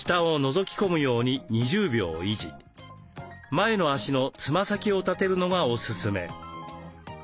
前の足のつま先を立てるのがおすすめ。